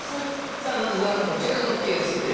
さあまずはこちらのケースです。